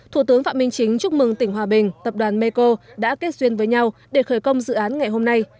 thủ tướng phạm minh chính chúc mừng tỉnh hòa bình tập đoàn meko đã kết duyên với nhau để khởi công dự án ngày hôm nay